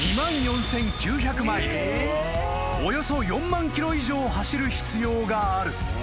［およそ４万ｋｍ以上走る必要がある］